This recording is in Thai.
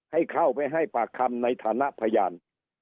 ให้เข้าไปให้ปากคำในฐานะพยาน